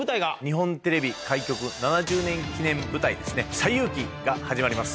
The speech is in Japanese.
日本テレビ開局７０年記念舞台『西遊記』が始まります